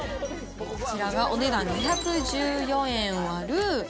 こちらがお値段２１４円割る